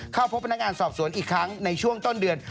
เข้าพบพนักงานสอบสวนอีกครั้งในช่วงต้นเดือน